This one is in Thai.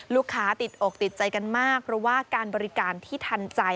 ติดอกติดใจกันมากเพราะว่าการบริการที่ทันใจ